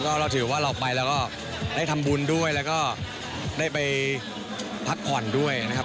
ก็เราถือว่าเราไปแล้วก็ได้ทำบุญด้วยแล้วก็ได้ไปพักผ่อนด้วยนะครับ